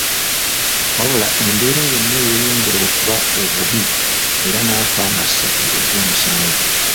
Wabula embeera y'ono yeyongera okuba obubi era n'afa nga ssatu Ogwomusanvu.